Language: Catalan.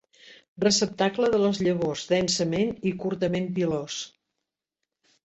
Receptacle de les llavors densament i curtament pilós.